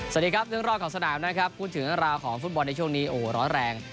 สวัสดีครับเรื่องรอบของสนามนะครับพูดถึงราวของฟุตบอลในช่วงนี้โอ้โหร้อนแรง